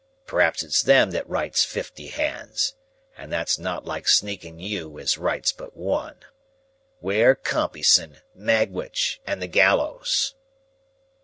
P'raps it's them that writes fifty hands, and that's not like sneaking you as writes but one. 'Ware Compeyson, Magwitch, and the gallows!"